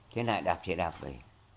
thế này đạp xe đạp về